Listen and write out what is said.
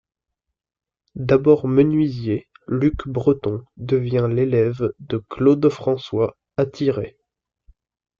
D'abord menuisier, Luc Breton devient l'élève de Claude-François Attiret.